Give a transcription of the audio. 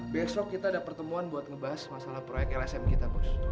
besok kita ada pertemuan buat ngebahas masalah proyek lsm kita bos